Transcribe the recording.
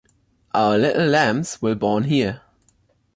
Our little lambs will born here.